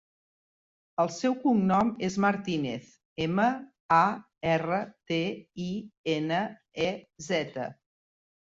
El seu cognom és Martinez: ema, a, erra, te, i, ena, e, zeta.